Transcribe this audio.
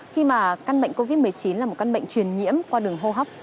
khi mà căn bệnh covid một mươi chín là một căn bệnh truyền nhiễm qua đường hô hấp